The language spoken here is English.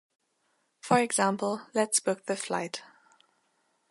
For example, Let's book the flight.